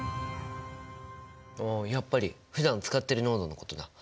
ああやっぱりふだん使っている濃度のことだ。